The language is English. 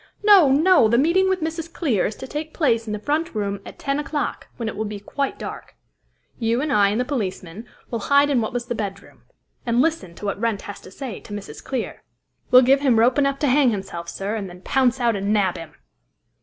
No! no! The meeting with Mrs. Clear is to take place in the front room at ten o'clock, when it will be quite dark. You, I, and the policemen will hide in what was the bedroom, and listen to what Wrent has to say to Mrs. Clear. We'll give him rope enough to hang himself, sir, and then pounce out and nab him."